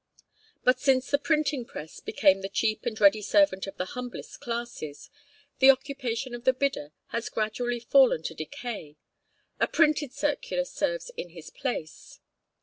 But since the printing press became the cheap and ready servant of the humblest classes, the occupation of the bidder has gradually fallen to decay; a printed circular serves in his place.